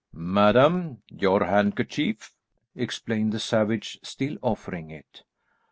"Madam, your handkerchief," explained the savage, still offering it.